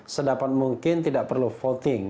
sedapat mungkin tidak perlu voting